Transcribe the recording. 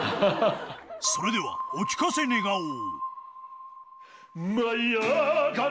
それでは、おきかせ願おう。